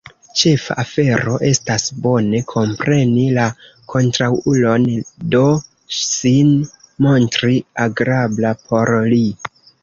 Ĉefa afero estas bone kompreni la kontraŭulon, do sin montri agrabla por li...